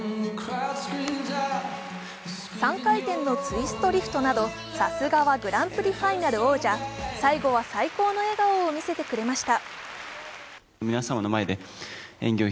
３回転のツイストリフトなど、さすがはグランプリファイナル王者、最後は最高の笑顔を見せてくれました。